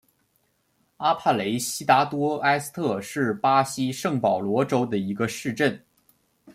阿帕雷西达多埃斯特是巴西圣保罗州的一个市镇。